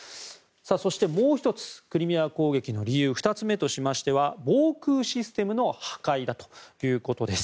そして、もう１つクリミア攻撃の理由２つ目としましては防空システムの破壊だということです。